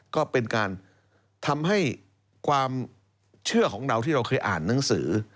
ก็เป็นการทำให้ความเชื่อของเราที่เราเคยอ่านหนังสือ